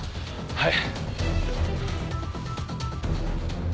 はい。